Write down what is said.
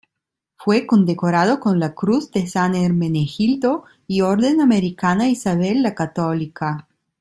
Fue condecorado con la Cruz de San Hermenegildo y Orden Americana Isabel La Católica.